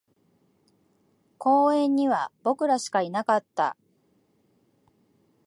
公園には僕らしかいなかった